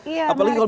iya menarik sekali